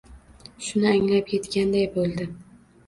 Shuni anglab yetganday bo‘ldi.